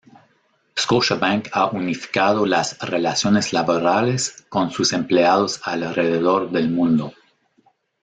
Scotiabank ha unificado las relaciones laborales con sus empleados alrededor del mundo.